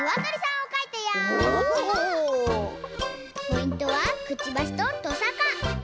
ポイントはくちばしととさか！